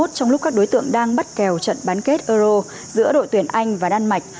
trong lúc các đối tượng đang bắt kèo trận bán kết euro giữa đội tuyển anh và đan mạch